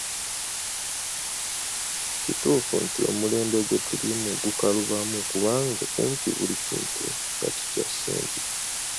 Kituufu nti omulembe gwe tulimu gukalubamu kubanga kumpi buli kintu kati kya ssente.